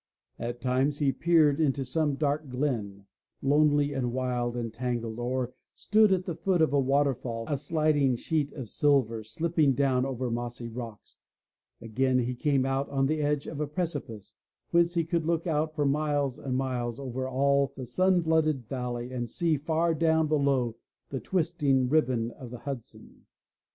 At times he peered into some dark glen, lonely and wild and tangled, or stood at the foot of a waterfall, a sliding sheet of silver, slipping down over mossy rocks, again he came out on the edge of a precipice, whence he could look out for miles and miles over all the sun flooded valley and see far down below the twisting ribbon of the Hudson.